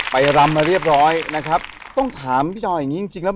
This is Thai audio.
ไปรำมาเรียบร้อยต้องถามพี่จออยังงี้จริงแล้ว